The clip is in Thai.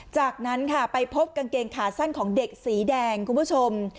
จากนั้นค่ะไปพบกางเกงขาสั้นของเด็กสีแดงคุณผู้ชม